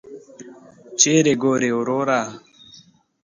چیري ګورې وروره !